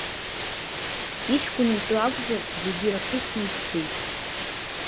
Иҷкәын итәы акәзар, зегьы ираԥысны ихьӡеит.